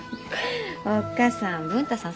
おっ母さん文太さん